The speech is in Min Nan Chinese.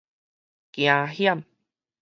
驚險